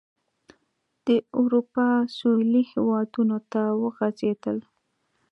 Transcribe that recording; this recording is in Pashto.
د اروپا سوېلي هېوادونو ته وغځېدل.